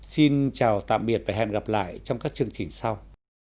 xin chào tạm biệt và hẹn gặp lại trong các chương trình sau